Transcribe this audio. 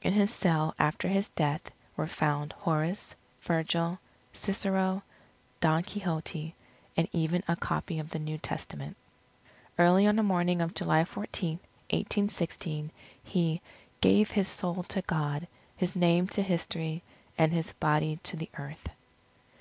In his cell after his death, were found Horace, Virgil, Cicero, Don Quixote, and even a copy of the New Testament. Early on the morning of July 14, 1816, he "gave his soul to God, his name to history, and his body to the earth."